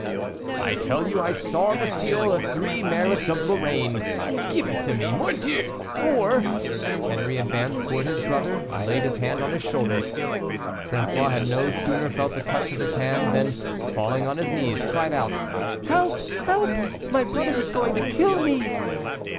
"I tell you I saw on the seal the three merlets of Lorraine. Give it to me, mordieu! or " Henri advanced towards his brother and laid his hand on his shoulder. François had no sooner felt the touch of his hand than, falling on his knees, he cried out, "Help! help! my brother is going to kill me."